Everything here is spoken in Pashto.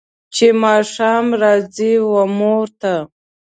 چې ماښام راځي و مور ته